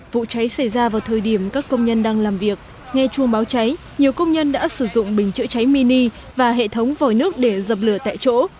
vụ cháy xảy ra vào thời điểm các công nhân đang làm việc nghe chuông báo cháy nhiều công nhân đã sử dụng bình chữa cháy mini và hệ thống vòi nước để dập lửa tại chỗ